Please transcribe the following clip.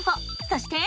そして。